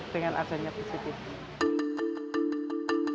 dengan adanya bu siti